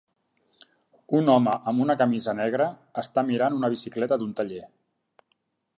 Un home amb una camisa negra està mirant una bicicleta d'un taller.